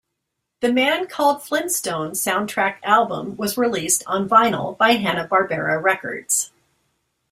The Man Called Flintstone soundtrack album was released on vinyl by Hanna-Barbera Records.